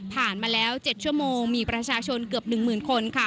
ผ่านมาแล้ว๗ชั่วโมงมีประชาชนเกือบ๑๐๐๐๐คน